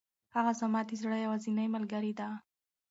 هغه زما د زړه یوازینۍ ملګرې ده.